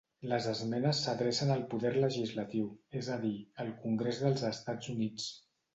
Les esmenes s'adrecen al poder legislatiu, és a dir, al Congrés dels Estats Units.